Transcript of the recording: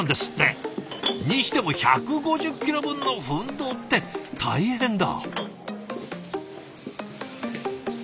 にしても１５０ｋｇ分の分銅って大変だ。